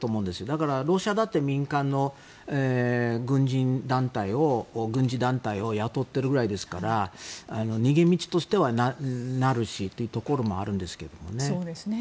だから、ロシアだって民間の軍事団体を雇っているくらいですから逃げ道としてはなるしというところもあるんですけどね。